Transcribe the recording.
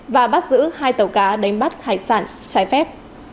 và bắt giữ hai tàu cá đánh bắt hải sản trái phép